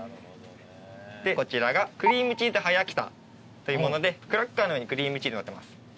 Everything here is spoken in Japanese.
でこちらがクリームチーズはやきたというものでクラッカーの上にクリームチーズのってます。